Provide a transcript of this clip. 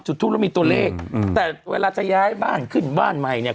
จุดทูปแล้วมีตัวเลขอืมแต่เวลาจะย้ายบ้านขึ้นบ้านใหม่เนี่ย